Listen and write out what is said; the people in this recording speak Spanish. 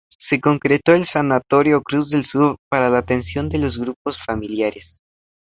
Se concretó el Sanatorio "Cruz del Sur" para la atención de los grupos familiares.